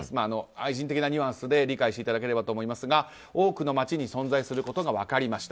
愛人的なニュアンスで理解していただければと思いますが多くの街に存在することが分かりました。